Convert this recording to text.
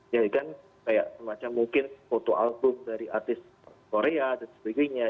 jadi kan kayak semacam mungkin foto album dari artis korea dan sebagainya